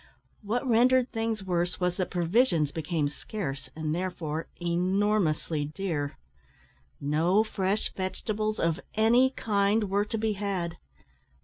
What rendered things worse was that provisions became scarce, and, therefore, enormously dear. No fresh vegetables of any kind were to be had.